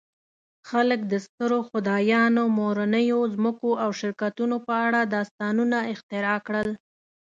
خلک د سترو خدایانو، مورنیو ځمکو او شرکتونو په اړه داستانونه اختراع کړل.